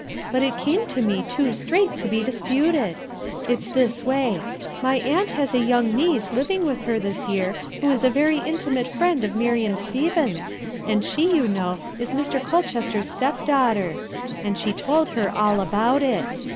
But it came to me too straight to be disputed. It's this way. My aunt has a young niece living with her this "MOTHERS ARE QUEER 1" §5 year who is a very intimate friend of Miriam Stevens, and she, you know, is Mr. Colchester's stepdaughter; and she told her all about it.